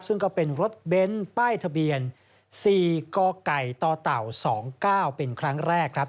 ซึ่งก็เป็นรถเบ้นป้ายทะเบียน๔กกตเต่า๒๙เป็นครั้งแรกครับ